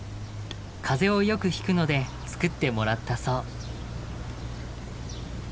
風邪をよくひくので作ってもらったそう。